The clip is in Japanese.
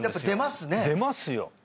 出ますよ